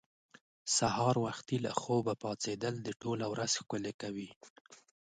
سهار وختي له خوبه پاڅېدل دې ټوله ورځ ښکلې کوي.